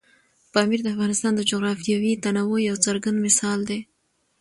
پامیر د افغانستان د جغرافیوي تنوع یو څرګند مثال دی.